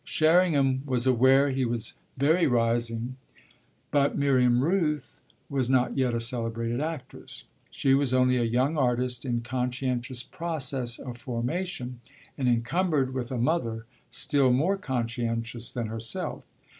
Sherringham was aware he was very "rising"; but Miriam Rooth was not yet a celebrated actress. She was only a young artist in conscientious process of formation and encumbered with a mother still more conscientious than herself.